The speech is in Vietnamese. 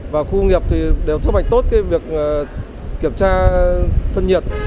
vào khu công nghiệp thì đều chấp nhận tốt việc kiểm tra thân nhiệt